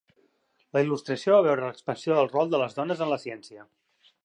La Il·lustració va veure l'expansió del rol de les dones en la ciència.